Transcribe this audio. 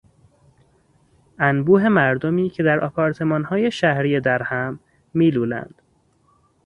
انبوه مردمی که در آپارتمانهای شهری درهم میلولند